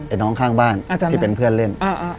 น้องข้างบ้านที่เป็นเพื่อนเล่น